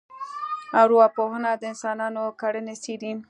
ارواپوهنه د انسانانو کړنې څېړي